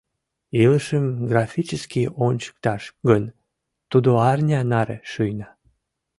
Илышым графически ончыкташ гын, тудо арня наре шуйна.